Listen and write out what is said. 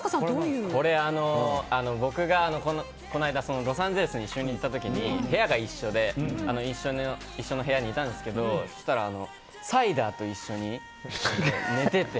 これ僕がこの間ロサンゼルスに一緒に行った時に部屋が一緒で一緒の部屋にいたんですけどそうしたら、サイダーと一緒に寝ていて。